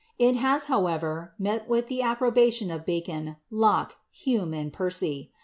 It has, honever. mel with ihe approtiatioa tl Bacon, Locke, Hume, and Percy.